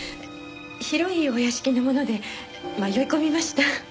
広いお屋敷なもので迷い込みました。